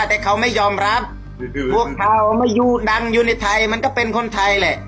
แต่เขาไม่ยอมรับพวกเขาไม่อยู่ดังอยู่ในไทยมันก็เป็นคนไทยแหละ